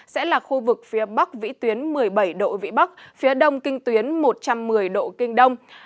sẽ là khu vực phía bắc vĩ tuyến một mươi bảy độ vĩ bắc phía đông kinh tuyến một trăm một mươi độ kinh đông